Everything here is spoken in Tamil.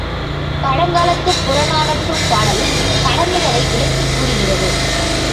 பழங்காலத்துப் புறநானூற்றுப் பாடல் கடமைகளை விளக்கிக் கூறுகிறது.